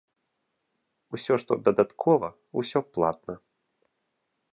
Усё, што дадаткова, усё платна.